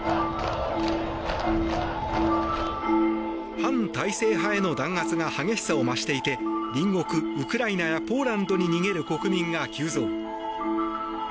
反体制派への弾圧が激しさを増していて隣国ウクライナやポーランドに逃げる国民が急増。